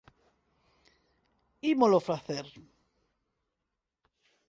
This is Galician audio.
Ímolo facer